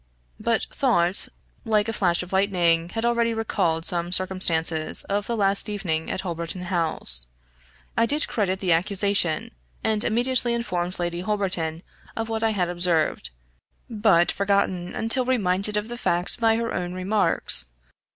But thought, like a flash of lightning, had already recalled some circumstances of the last evening at Holberton House. I did credit the accusation, and immediately informed Lady Holberton of what I had observed, but forgotten, until reminded of the facts by her own remarks.